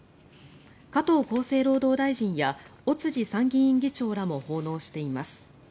加藤厚生労働大臣や尾辻参議院議長らも奉納しています。